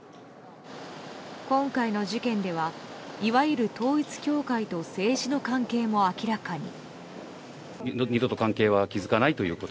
今回の事件では、いわゆる統一教会と政治の関係も明らかに。